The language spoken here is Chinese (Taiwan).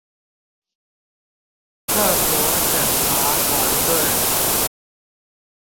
各國審查團隊